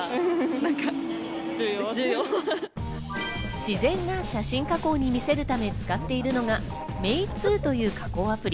自然な写真加工に見せるため使っているのがＭｅｉｔｕという加工アプリ。